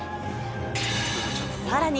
さらに。